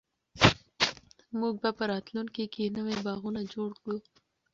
موږ به په راتلونکي کې نوي باغونه جوړ کړو.